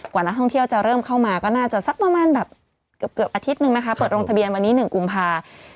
กว่านักท่องเที่ยวจะเริ่มเข้ามาก็น่าจะสักประมาณแบบเกือบอาทิตย์นึงนะคะเปิดลงทะเบียนวันนี้๑กุมภา